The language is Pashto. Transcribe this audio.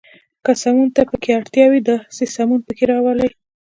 که سمون ته پکې اړتیا وي، داسې سمون پکې راولئ.